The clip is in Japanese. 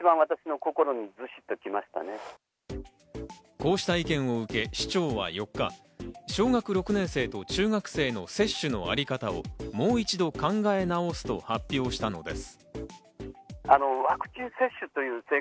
こうした意見を受け市長は４日、小学６年生と中学生の接種のあり方をもう一度、考え直すと発表したのです。